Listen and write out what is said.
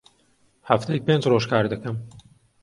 هەفتەی پێنج ڕۆژ کار دەکەم.